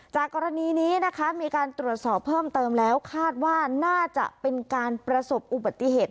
กรณีนี้นะคะมีการตรวจสอบเพิ่มเติมแล้วคาดว่าน่าจะเป็นการประสบอุบัติเหตุ